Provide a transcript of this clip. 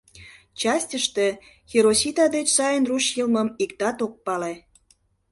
Частьыште Хиросита деч сайын руш йылмым иктат ок пале.